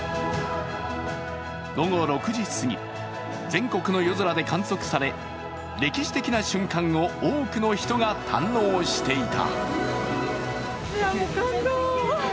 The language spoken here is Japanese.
午後６時すぎ、全国の夜空で観測され、歴史的な瞬間を多くの人が感動していた。